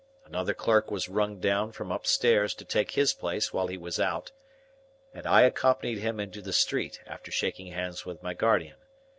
Another clerk was rung down from upstairs to take his place while he was out, and I accompanied him into the street, after shaking hands with my guardian.